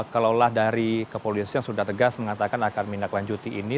kalau lah dari kepolisian sudah tegas mengatakan akan menindaklanjuti